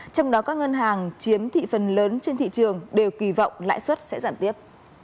trong đó các ngân hàng chiếm thị phần lớn trên thị trường đều kỳ vọng lãi suất sẽ giảm tiếp